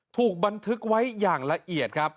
ถูกบันทึกไว้อย่างละเอียดครับ